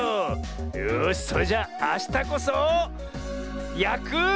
よしそれじゃあしたこそやく。